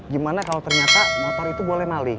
gimana kalo ternyata motor itu boleh maling